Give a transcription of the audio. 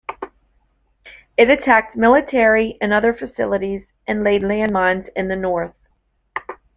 It attacked military and other facilities and laid landmines in the north.